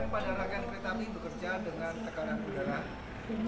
pada rangkaian kereta api bekerja dengan tekanan udara